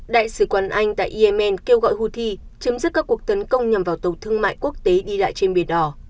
đại sứ quán anh tại yemen kêu gọi houthi chấm dứt các cuộc tấn công nhằm vào tàu thương mại quốc tế đi lại trên biển đỏ